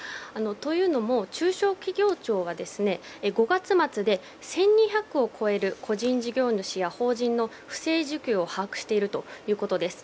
というのも中小企業庁が５月末で１２００を超える個人事業主や法人の不正受給を把握しているということです。